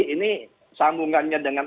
ini sambungannya dengan